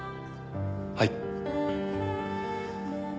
はい。